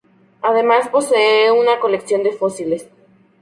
Además posee una colección de fósiles.